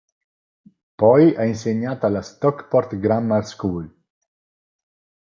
Poi ha insegnato alla Stockport Grammar School.